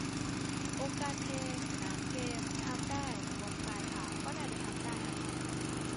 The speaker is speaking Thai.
วงการเพลง หนัง เกมทำได้ วงการข่าวก็น่าจะทำได้ฮะ